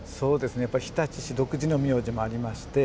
日立市独自の名字もありまして。